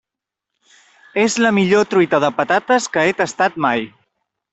És la millor truita de patates que he tastat mai.